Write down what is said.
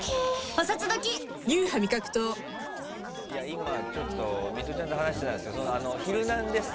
今、ちょっとミトちゃんと話してたんですけど「ヒルナンデス！」